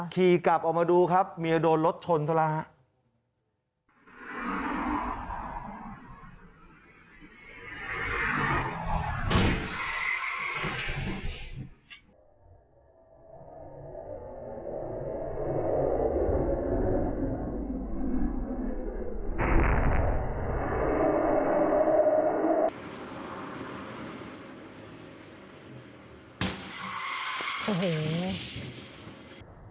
ขี่กลับออกมาดูครับเมียโดนรถชนซะแล้วครับ